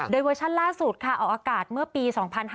โดยเวอร์ชั่นล่าสุดค่ะออกอากาศเมื่อปี๒๕๕๙